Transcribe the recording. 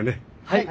はい。